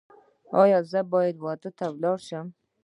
ایا زه واده ته لاړ شم؟